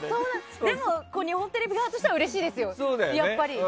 でも日本テレビ側としてはうれしいですよ、やっぱり。